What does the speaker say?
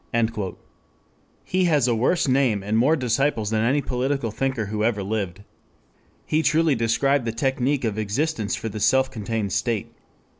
"] He has a worse name and more disciples than any political thinker who ever lived. He truly described the technic of existence for the self contained state.